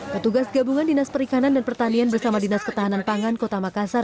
petugas gabungan dinas perikanan dan pertanian bersama dinas ketahanan pangan kota makassar